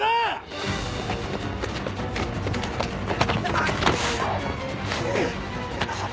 あっ！